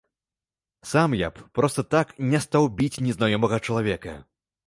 Сам я б проста так не стаў біць незнаёмага чалавека.